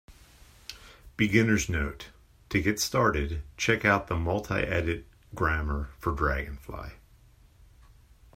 Beginner's note: to get started, check out the multiedit grammar for dragonfly.